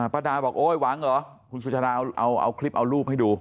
ป้าดาบอกโอ๊ยหวังเหรอคุณสุชาดาเอาคลิปเอารูปให้ดู